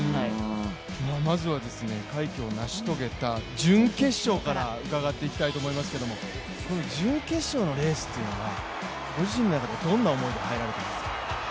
まずは快挙を成し遂げた準決勝から伺っていきたいと思いますけれども準決勝のレースっていうのはご自身の中でどんな思いで入られていましたか。